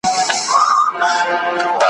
ماته مو بېړۍ ده له توپان سره به څه کوو `